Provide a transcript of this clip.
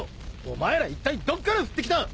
お前らいったいどっから降ってきた！？